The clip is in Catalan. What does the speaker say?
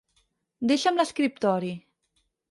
Deixa'm l'escriptori.